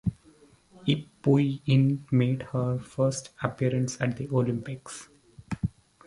Yip Pui Yin made her first appearance at the Olympics.